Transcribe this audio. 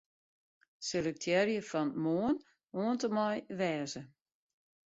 Selektearje fan 'Moarn' oant en mei 'wêze'.